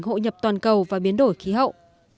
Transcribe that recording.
hãy đăng ký kênh để nhận thông tin nhất